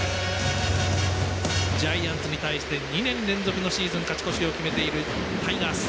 ジャイアンツに対して２年連続のシーズン勝ち越しを決めている３位、タイガース。